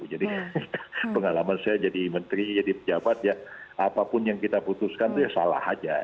jadi pengalaman saya jadi menteri jadi pejabat ya apapun yang kita putuskan itu salah saja